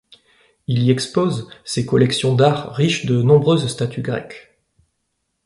Il y expose ses collections d'art, riches de nombreuses statues grecques.